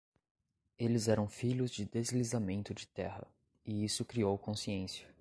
Eles eram filhos de deslizamento de terra, e isso criou consciência.